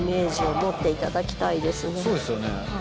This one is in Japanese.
そうですよね。